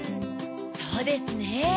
そうですね。